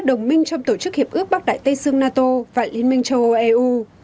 các đồng minh trong tổ chức hiệp hợp ước bắt đại tây xương nato và liên minh châu âu eu